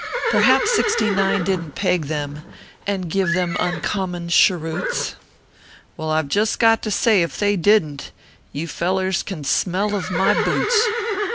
Perhaps Sixty nine didn t peg them, And give them uncommon cheroots ? Well I ve just got to say, if they didn t You fellers can smell of my boots